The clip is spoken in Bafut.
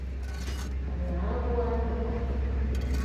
A yə nàa ghu aa nɨ àkə̀?